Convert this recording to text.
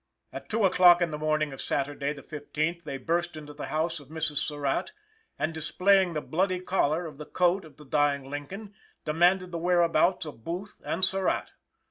At two o'clock in the morning of Saturday, the fifteenth, they burst into the house of Mrs. Surratt and displaying the bloody collar of the coat of the dying Lincoln, demanded the whereabouts of Booth and Surratt.